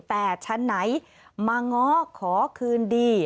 แต่ชั้นไหนมาง้อขอคืนดี